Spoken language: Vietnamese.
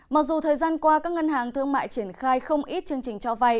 mặc dù thời gian qua các ngân hàng thương mại triển khai không ít chương trình cho vay